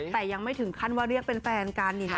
แต่ยังไม่ถึงขั้นว่าเรียกเป็นแฟนกัน